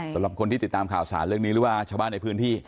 สำหรับคนที่ติดตามข่าวสารเรื่องนี้หรือว่าชาวบ้านในพื้นที่